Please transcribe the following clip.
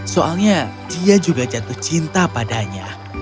soalnya dia juga jatuh cinta padanya